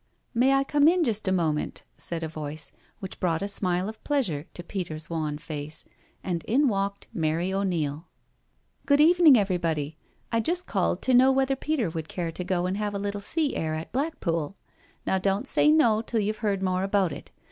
"May I come in just a moment?" said a voice which brought a smile of pleasure to Peter's wan face, and in walked Mary O'Neil. 54 JENNY^S CALL 55 *' Good evening; everybody. I just called to know whether Peter would care to go and have a little sea air at Blackpool? — Now don't say no till youVe heard more about it.